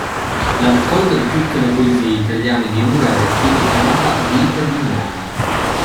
La raccolta di tutte le poesie italiane di Ungaretti è chiamata Vita di un uomo